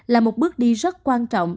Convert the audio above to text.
là một bước đi rất quan trọng